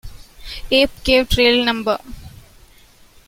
Ape Cave Trail No.